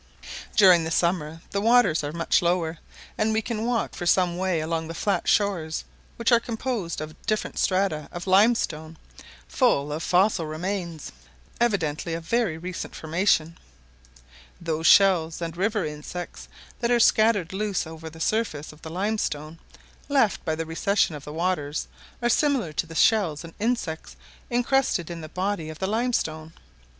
During the summer the waters are much lower, and we can walk for some way along the flat shores, which are composed of different strata of limestone, full of fossil remains, evidently of very recent formation. Those shells and river insects that are scattered loose over the surface of the limestone, left by the recession of the waters, are similar to the shells and insects incrusted in the body of the limestone.